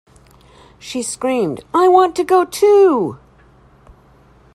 She screamed; "I want to go, too!"